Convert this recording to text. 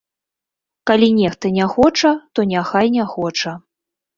Калі нехта не хоча, то няхай не хоча.